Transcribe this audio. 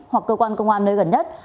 hoặc cơ quan công an nơi gần nhất